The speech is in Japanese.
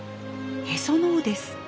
へその緒です。